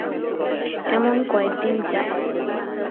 এমন কয়েক দিন যায়।